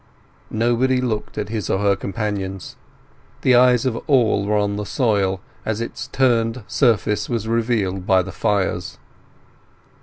Nobody looked at his or her companions. The eyes of all were on the soil as its turned surface was revealed by the fires.